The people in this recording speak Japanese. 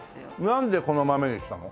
なんでこの豆にしたの？